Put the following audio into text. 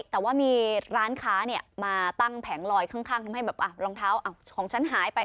แต่ว่ามีร้านค้ามาตั้งแผงลอยข้างทำให้แบบรองเท้าของฉันหายไป